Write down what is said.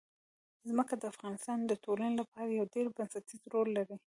ځمکه د افغانستان د ټولنې لپاره یو ډېر بنسټيز رول لري.